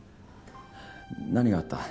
何があった？